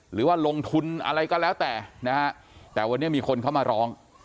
หรือว่าลงทุนอะไรก็แล้วแต่นะฮะแต่วันนี้มีคนเขามาร้อง